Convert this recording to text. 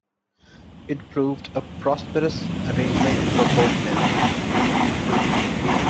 It proved a prosperous arrangement for both men.